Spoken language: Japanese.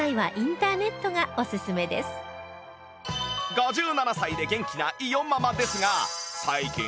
５７歳で元気な伊代ママですが